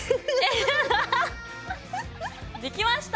できました！